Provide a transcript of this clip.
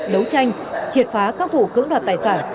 đấu tranh triệt phá các vụ cưỡng đoạt tài sản